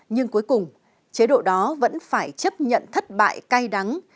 nhưng cuối cùng chế độ đó vẫn phải chấp nhận thất bại cay đắng